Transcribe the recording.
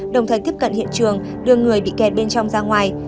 đồng thời tiếp cận hiện trường đưa người bị kẹt bên trong ra ngoài